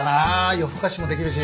夜更かしもできるし。